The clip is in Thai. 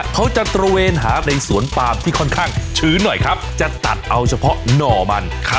เขาจะตระเวนหาในสวนปามที่ค่อนข้างชื้นหน่อยครับจะตัดเอาเฉพาะหน่อมัน